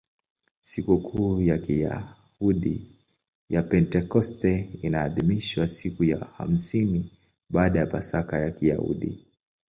Sikukuu ya Kiyahudi ya Pentekoste inaadhimishwa siku ya hamsini baada ya Pasaka ya Kiyahudi.